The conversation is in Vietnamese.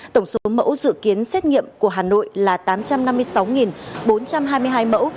tổng số mẫu dự kiến xét nghiệm của hà nội là tám trăm năm mươi sáu bốn trăm hai mươi hai mẫu